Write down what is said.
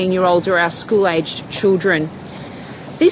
atau anak anak sekolah kita